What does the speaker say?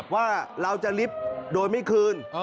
ว่าเราจะลิฟต์โดยไม่คืน